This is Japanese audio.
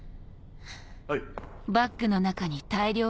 はい。